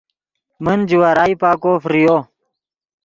من جوارائی پاکو فریو